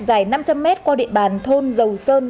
dài năm trăm linh mét qua địa bàn thôn dầu sơn